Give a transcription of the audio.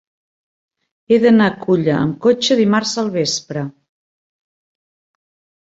He d'anar a Culla amb cotxe dimarts al vespre.